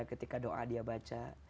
ketika doa dia baca